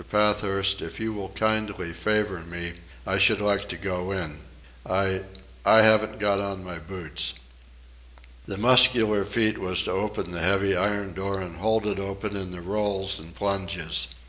Pathurst, if you will kindly favour me, I should like to go in. I ... I haven't got on my boots." The muscular feat was to open the heavy iron door and hold it open in the rolls and plunges.